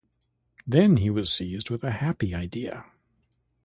Then he was seized with a happy idea.